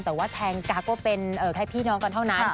แต่ว่าแทงกักก็เป็นแค่พี่น้องกันเท่านั้น